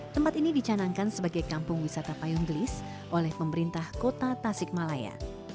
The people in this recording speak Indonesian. tempat ini dicanangkan sebagai kampung wisata payung gelis oleh pemerintah kota tasikmalaya